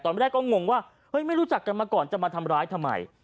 ตอนแรกก็งงว่าเฮ้ยไม่รู้จักกันมาก่อนจะมาทำร้ายทำไม